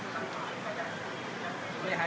สวัสดีครับ